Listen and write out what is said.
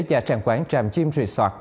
gia trang quán tram jim resort